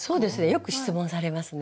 よく質問されますね。